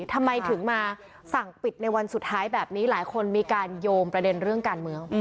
ทำไมถึงมาสั่งปิดในวันสุดท้ายแบบนี้หลายคนมีการโยงประเด็นเรื่องการเมือง